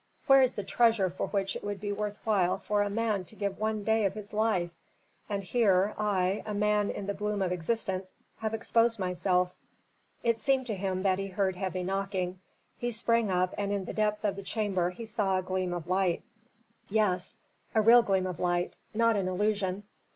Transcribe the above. Where is the treasure for which it would be worth while for a man to give one day of his life? And here, I, a man in the bloom of existence, have exposed myself." It seemed to him that he heard heavy knocking. He sprang up and in the depth of the chamber he saw a gleam of light. Yes! a real gleam of light, not an illusion.